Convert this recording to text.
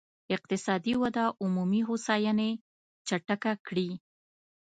اقتصادي وده عمومي هوساينې چټکه کړي.